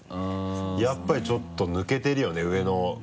やっぱりちょっと抜けてるよね上の。